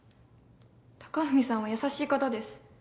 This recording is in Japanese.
隆文さんは優しい方です